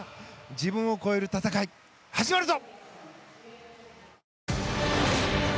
自分を超える戦い、始まるぞ！